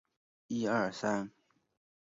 最终圣堂之门的女主角由飞担任。